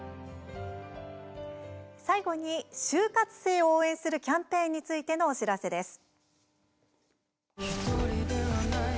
最後に就活生を応援するキャンペーンについてのお知らせです。